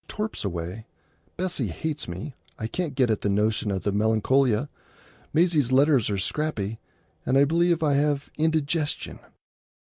"Torp's away; Bessie hates me; I can't get at the notion of the Melancolia; Maisie's letters are scrappy; and I believe I have indigestion.